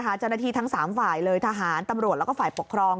เจ้าหน้าที่ทั้ง๓ฝ่ายเลยทหารตำรวจแล้วก็ฝ่ายปกครอง